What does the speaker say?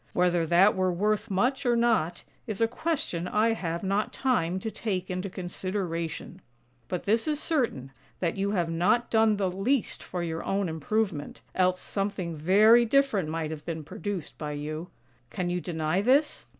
Whether that were worth much or not, is a question I have not time to take into consideration; but this is certain, that you have not done the least for your own improvement, else something very different might have been produced by you. Can you deny this?